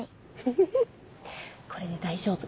フフフこれで大丈夫。